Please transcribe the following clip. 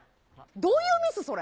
どういうミス、それ。